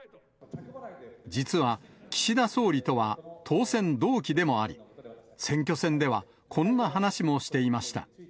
実は岸田総理とは当選同期でもあり、選挙戦では、こんな話もしていました。